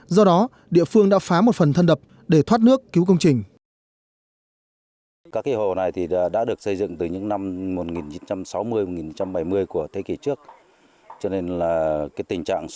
do đó địa phương đã phá một phần thân đập để thoát nước cứu công trình